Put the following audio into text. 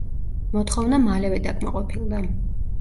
მოთხოვნა მალევე დაკმაყოფილდა.